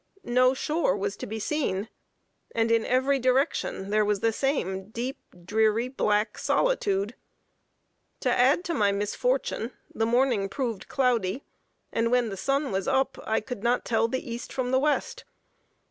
No shore was to be seen; and in every direction there was the same deep, dreary, black solitude. To add to my misfortune, the morning proved cloudy, and when the sun was up, I could not tell the east from the west.